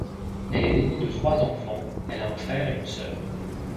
Elle est l’aînée de trois enfants, elle a un frère et une sœur.